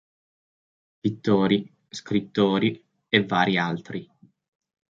Pittori, scrittori e vari altri.